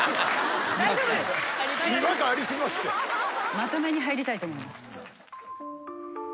まとめに入りたいと思います。